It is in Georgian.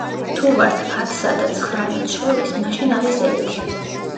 თუ ვართ ათსა და ცხრამეტს შორის, მაშინ არის ერთი.